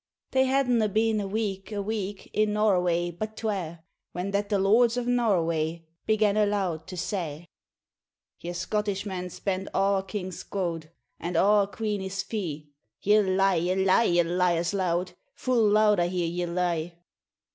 They hadna been a week, a week In Noroway but twae, When that the lords o' Noroway Began aloud to say: 'Ye Scottishmen spend a' our king's gowd, And a' our queenis fee.' ' Ye lie, ye lie, ye liars loud ! Fu' loud I hear ye lie!